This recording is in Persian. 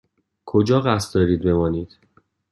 کجا قصد دارید بمانید؟